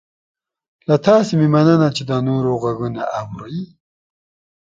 له تاسې مننه چې د نورو غږونه اورئ